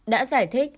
đã giải thích